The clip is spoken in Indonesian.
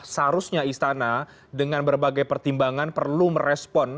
seharusnya istana dengan berbagai pertimbangan perlu merespon